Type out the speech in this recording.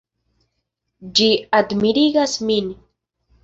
Ĝi admirigas min.